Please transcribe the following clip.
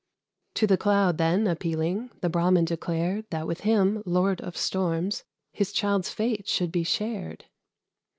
To the Cloud, then, appealing, the Brahmin declared That with him, Lord of Storms, his child's fate should be shared.